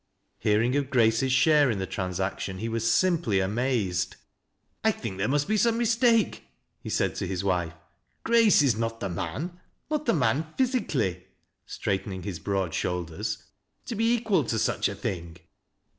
Hearing of Grace's share in the transaction, he wm limply amazed. " 1 think there must be some mistake," he said to his wife. ' Grace is not the man — not the mSiU physically ^^ straight ouing his broad shoulders, " to be equal to such a thing."